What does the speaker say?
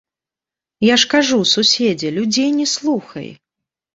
Я ж кажу, суседзе, людзей не слухай!